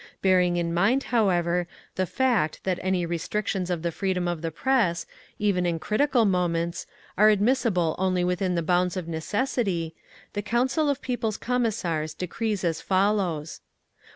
Bearing in mind, however, the fact that any restrictions of the freedom of the press, even in critical moments, are admissible only within the bounds of necessity, the Council of People's Commissars decrees as follows: 1.